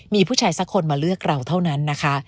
มีผู้ชายสักคนมาเลือกเราเท่านั้นนะคะ